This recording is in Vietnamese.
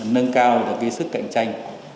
nâng cao được cái sức cạnh tranh